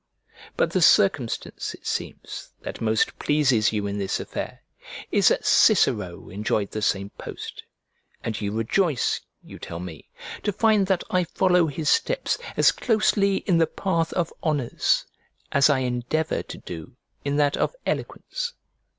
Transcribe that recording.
But the circumstance, it seems, that most pleases you in this affair, is, that Cicero enjoyed the same post; and you rejoice (you tell me) to find that I follow his steps as closely in the path of honours as I endeavour to do in that of eloquence.